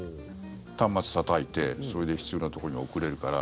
端末たたいて、それで必要なところに送れるから。